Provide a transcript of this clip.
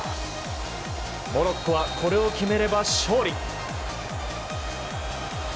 モロッコはこれを決めれば勝利。